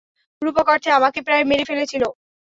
রুপক অর্থে আমাকে প্রায় মেরে ফেলছিল।